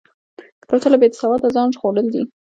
کتابچه له بېسواده ځان ژغورل دي